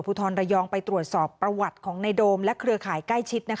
ผู้ส่งขาวช็อปประวัติของในโดมและเครือข่ายใกล้ชิด